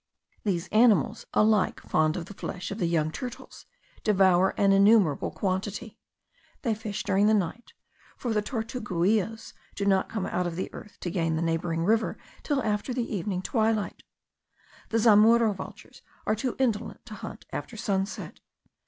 These animals, alike fond of the flesh of the young turtles, devour an innumerable quantity. They fish during the night, for the tortuguillos do not come out of the earth to gain the neighbouring river till after the evening twilight. The zamuro vultures are too indolent to hunt after sunset.